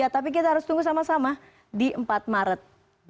tapi kita harus tunggu sama sama di empat maret dua ribu dua puluh